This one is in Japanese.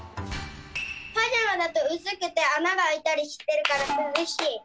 パジャマだとうすくてあながあいたりしてるからすずしい。